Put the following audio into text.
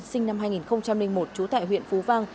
sinh năm hai nghìn một trú tại huyện phú vang